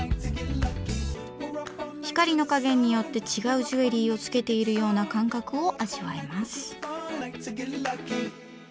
光の加減によって違うジュエリーをつけているような感覚を味わえます。